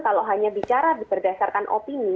kalau hanya bicara berdasarkan opini